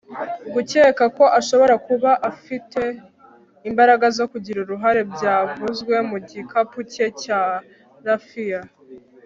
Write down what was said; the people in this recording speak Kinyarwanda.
gukeka ko ashobora kuba afite imbaraga zo kugira uruhare, byavuzwe mu gikapu cye cya raffia